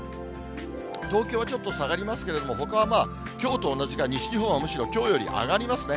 東京はちょっと下がりますけれども、ほかはきょうと同じか、西日本はむしろきょうより上がりますね。